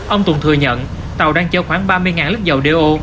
ông tùng thừa nhận tàu đang chở khoảng ba mươi lít dầu do